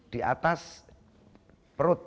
di atas perut